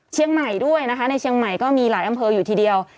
เชียงใหม่ด้วยนะคะในเชียงใหม่ก็มีหลายอำเภออยู่ทีเดียว